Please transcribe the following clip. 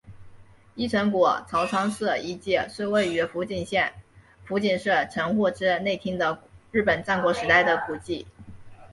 一乘谷朝仓氏遗迹是位于福井县福井市城户之内町的日本战国时代的古迹。